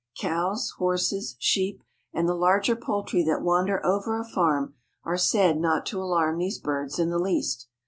Cows, horses, sheep, and the larger poultry that wander over a farm are said not to alarm these birds in the least.